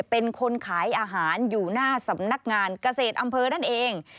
เป็นคนขายอาหารอยู่หน้าสำนักงานเกษตรอำเภอนั่นเอง